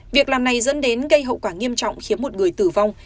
việc làm này dẫn đến gây hậu quả nghiêm trọng khiến một người tử vong